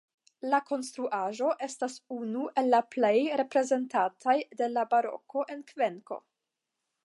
La konstruaĵo estas unu el la plej reprezentaj de la baroko en Kvenko.